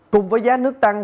cùng với giá nước tăng